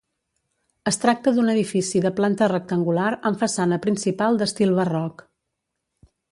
Es tracta d'un edifici de planta rectangular amb façana principal d'estil barroc.